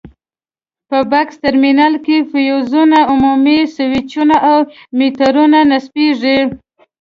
په بکس ترمینل کې فیوزونه، عمومي سویچونه او میټرونه نصبېږي.